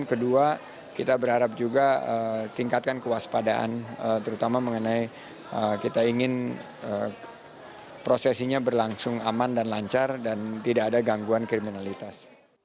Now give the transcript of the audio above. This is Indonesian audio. kedua kita berharap juga tingkatkan kewaspadaan terutama mengenai kita ingin prosesinya berlangsung aman dan lancar dan tidak ada gangguan kriminalitas